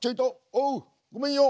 おうごめんよ！